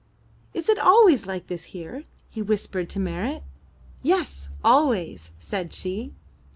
'Ts it always like this here?'' he whispered to Marit. ''Yes, always,'* said she.